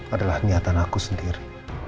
adalah niatan aku sendiri